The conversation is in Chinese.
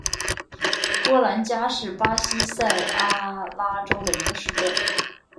波兰加是巴西塞阿拉州的一个市镇。